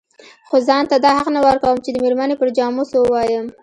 خو ځان ته دا حق نه ورکوم چې د مېرمنې پر جامو څه ووايم.